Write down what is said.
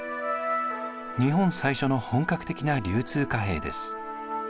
日本最初の本格的な流通貨幣です。